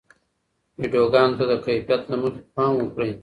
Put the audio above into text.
ویډیوګانو ته د کیفیت له مخې پام وکړئ.